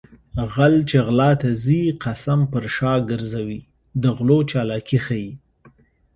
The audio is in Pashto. غل چې غلا ته ځي قسم پر شا ګرځوي د غلو چالاکي ښيي